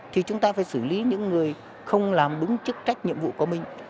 thì chúng ta phải xử lý những người không làm đúng chức trách nhiệm vụ của mình